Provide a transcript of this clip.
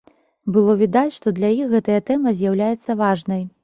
Было відаць, што для іх гэтая тэма з'яўляецца важнай.